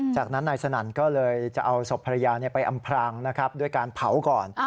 จากนั้นนายสนั่นก็เลยจะเอาศพภรรยาไปอำพรางนะครับด้วยการเผาก่อน